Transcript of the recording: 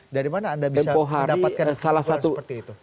dari mana anda bisa mendapatkan saran seperti itu